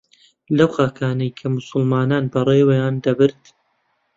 لەو خاکانەی کە موسڵمانان بەڕێوەیان دەبرد